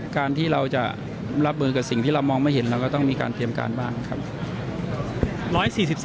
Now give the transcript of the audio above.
การที่เราจะรับมือกับสิ่งที่เรามองไม่เห็นเราก็ต้องมีการเตรียมการบ้างครับ